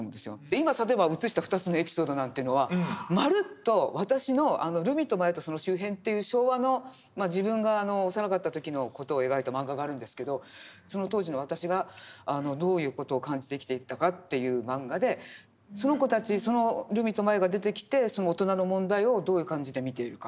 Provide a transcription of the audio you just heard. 今例えば映した２つのエピソードなんていうのはまるっと私の「ルミとマヤとその周辺」という昭和の自分が幼かった時の事を描いたマンガがあるんですけどその当時の私がどういう事を感じて生きていったかというマンガでその子たちそのルミとマヤが出てきてその大人の問題をどういう感じで見ているか。